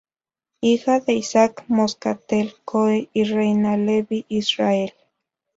Hija de Isaac Moscatel Cohen y Reyna Levy Israel.